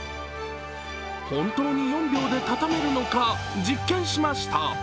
本当に４秒でたためるのか実験しました。